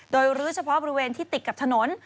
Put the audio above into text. โดยรื้อเฉพาะบริเวณที่ติดกับถนน